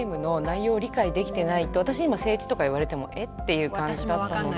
私今「整地」とか言われても「えっ？」っていう感じだったので。